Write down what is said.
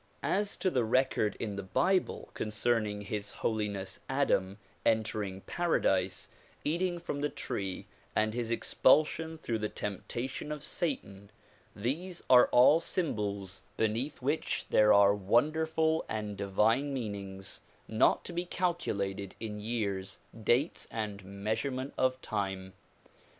As to the record in the bible concerning His Holiness Adam en tering paradise, eating from the tree and his expulsion through the temptation of satan, these are all symbols beneath which there are DISCOURSES DELIVERED IN NEW YORK 215 wonderful and divine meanings not to be calculated in years, dates and measurement of time.